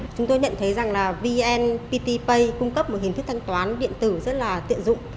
chúng tôi nhận thấy rằng là vnpt pay cung cấp một hình thức thanh toán điện tử rất là tiện dụng